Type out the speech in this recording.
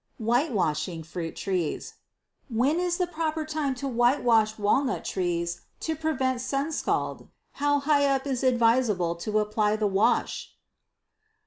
Whitewashing Fruit Trees. When is the proper time to whitewash walnut trees to prevent sun scald? How high up is it advisable to apply the wash?